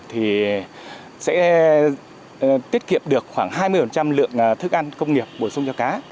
thì sẽ tiết kiệm được khoảng hai mươi lượng thức ăn công nghiệp bổ sung cho cá